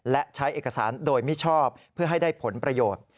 และใช้เอกสารโดยมิชอบเพื่อให้ได้ผลประโยชน์